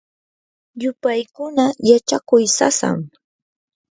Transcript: yupaykuna yachakuy sasam.